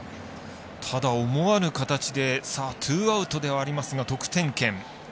ただ、思わぬ形でツーアウトではありますが得点圏。